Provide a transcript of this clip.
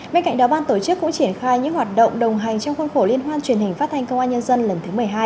bên cạnh đó ban tổ chức cũng triển khai những hoạt động đồng hành trong khuôn khổ liên hoan truyền hình phát thanh công an nhân dân lần thứ một mươi hai